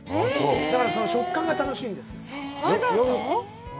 だから、食感が楽しいんです。